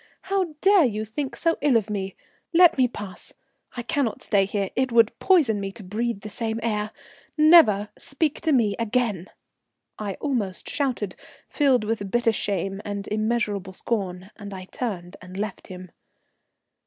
How dare you think so ill of me? Let me pass; I cannot stay here, it would poison me to breathe the same air. Never speak to me again," I almost shouted, filled with bitter shame and immeasurable scorn, and I turned and left him.